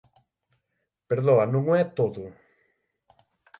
Perdoa, non o é todo?